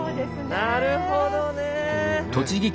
なるほどね！